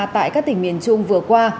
tại các tỉnh miền trung vừa qua